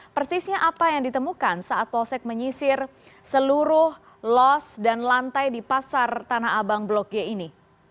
persisnya apa yang ditemukan saat polsek menyisir seluruh los dan lantai di pasar tanah abang blok g ini